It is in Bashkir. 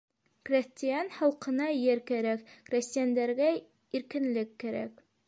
Крәҫтиән халҡына ер кәрәк, крәҫтиәндәргә иркенлек кәрәк.